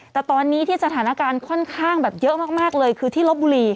แต่ตอนนี้ที่สถานการณ์ค่อนข้างแบบเยอะมากเลยคือที่ลบบุรี